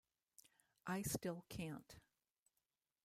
I still can't.